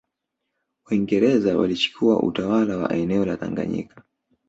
Waingereza walichukua utawala wa eneo la Tanganyika